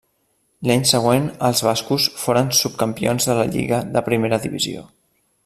L'any següent els bascos foren subcampions de la Lliga de primera divisió.